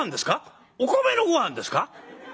お米のごはんですか？